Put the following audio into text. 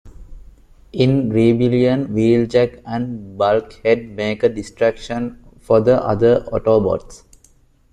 In "Rebellion", Wheeljack and Bulkhead make a distraction for the other Autobots.